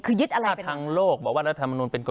คือยึดอะไรทั้งโลกบอกว่ารัฐธรรมนูลเป็นจริง